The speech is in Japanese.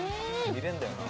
見れるんだよな。